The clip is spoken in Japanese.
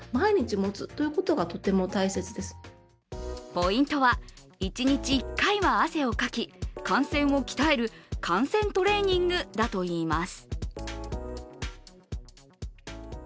ポイントは一日１回は汗をかき汗腺を鍛える汗腺トレーニングだといいます。